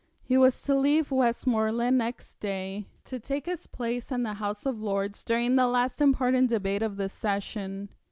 He was to leave Westmoreland next day to take his place in the House of Lords during the last important debate of the session.